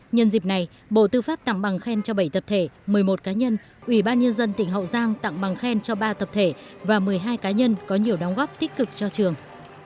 nhân dịp này bộ tư pháp tặng bằng khen cho bảy tập thể một mươi một cá nhân ủy ban nhân dân tỉnh hậu giang tặng bằng khen cho ba tập thể và một mươi hai cá nhân có nhiều đóng góp tích cực cho trường